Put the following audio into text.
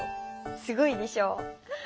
すごいでしょう！